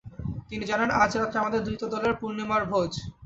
তিনি জানেন, আজ রাত্রে আমাদের দ্বৈতদলের পূর্ণিমার ভোজ।